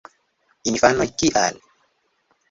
Infanoj: "Kial???"